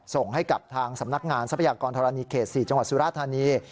ส่งให้กับทางสำนักงานทรัพยากรธรณีเขต๔จังหวัดสุราธานี